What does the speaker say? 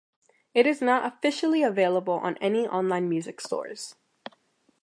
It is not officially available on any online music stores.